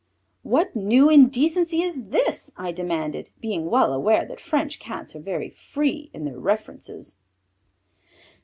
"What new indecency is this?" I demanded, being well aware that French Cats are very free in their references.